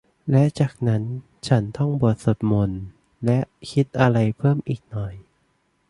และจากนั้นฉันท่องบทสวดมนต์และคิดอะไรเพิ่มอีกหน่อย